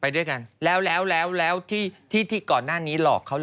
ไปด้วยกันแล้วแล้วแล้วแล้วที่ที่ที่ก่อนหน้านี้หลอกเขาหรอ